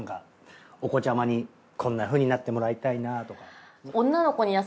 お子ちゃまにこんなふうになってもらいたいなぁとか。